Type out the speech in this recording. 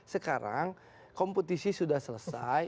sekarang kompetisi sudah selesai